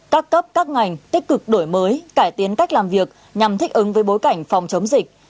các cấp các ngành tích cực đổi mới cải tiến cách làm việc nhằm thích ứng với bối cảnh phòng chống dịch